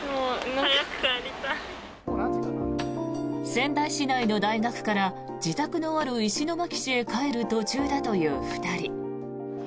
仙台市内の大学から自宅のある石巻市へ帰る途中だという２人。